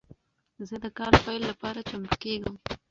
زه د کال پیل لپاره چمتو کیږم.